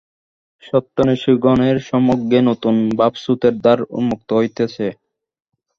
সত্যান্বেষিগণের সমক্ষে নূতন ভাবস্রোতের দ্বার উন্মুক্ত হইতেছে।